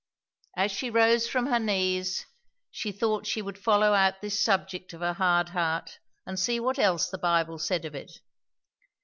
As she rose from her knees, she thought she would follow out this subject of a hard heart, and see what else the Bible said of it.